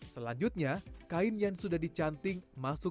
selanjutnya kain yang sudah dicanting masuk ke kain